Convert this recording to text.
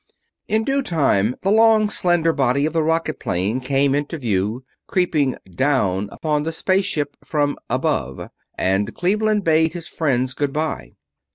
In due time the long, slender body of the rocket plane came into view, creeping "down" upon the space ship from "above," and Cleveland bade his friends goodbye.